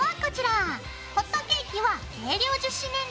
ホットケーキは軽量樹脂粘土。